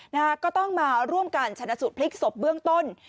นะฮะก็ต้องมาร่วมกันชนะสูตรพลิกศพเบื้องต้น